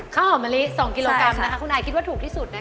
ข้าวหอมมะลิ๒กิโลกรัมนะคะคุณอายคิดว่าถูกที่สุดนะคะ